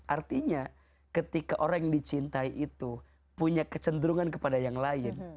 artinya ketika orang yang dicintai itu punya kecenderungan kepada yang lain